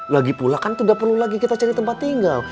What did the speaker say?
lagipula kan tidak perlu lagi kita cari tempat tinggal